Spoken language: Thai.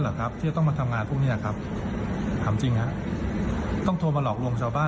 โทษนะครับเดี๋ยวผมถามนิดหนึ่งโทษนะ